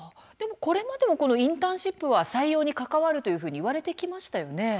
これまでもインターンシップは採用に関わるというふうにそうなんです。